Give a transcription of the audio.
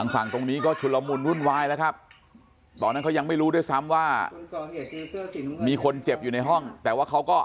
ทางตรงนี้ก็ชุลมูลรุ่นวายแล้วครับ